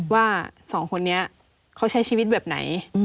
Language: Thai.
ว่าสองคนนี้เขาใช้ชีวิตแบบไหน